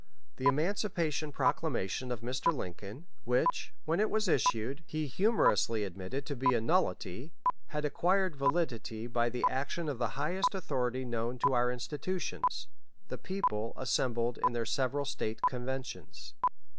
The emancipation proclamation of Mr. Lincoln, which, when it was issued, he humorously admitted to be a nullity, had acquired validity by the action of the highest authority known to our institutions the people assembled in their several State Conventions.